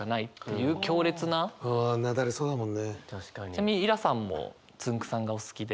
ちなみに衣良さんもつんく♂さんがお好きで。